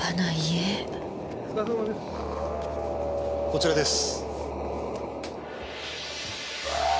こちらです。